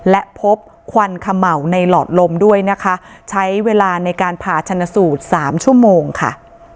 และพบควันเขม่าวในหลอดลมด้วยนะคะใช้เวลาในการผ่าชนสูตรสามชั่วโมงค่ะ